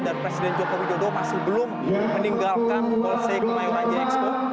dan presiden jokowi jodoh masih belum meninggalkan golsek kelayu raja expo